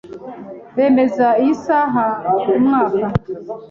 Bemeza iyi saha kumwaka.